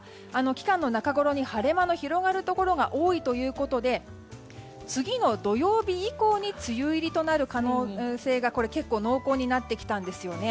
期間の中ごろに晴れ間の広がるところが多いということで次の土曜日以降に梅雨入りとなる可能性が結構濃厚になってきたんですよね。